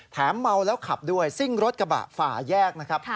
เมาแล้วขับด้วยซิ่งรถกระบะฝ่าแยกนะครับ